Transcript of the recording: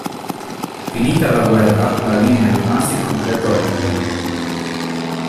Finita la guerra, la linea rimase in completo abbandono.